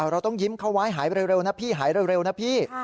เราต้องยิ้มเขาไว้หายเร็วนะพี่หายเร็วนะพี่